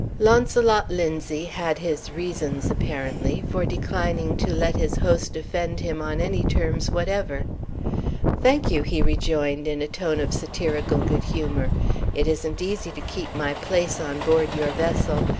Launcelot Linzie had his reasons (apparently) for declining to let his host offend him on any terms whatever. "Thank you!" he rejoined, in a tone of satirical good humor. "It isn't easy to keep my place on board your vessel.